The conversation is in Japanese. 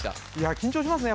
緊張しますね